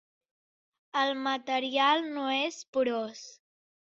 El material no és porós.